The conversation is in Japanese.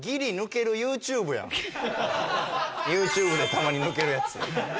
ＹｏｕＴｕｂｅでたまにヌケるやつ。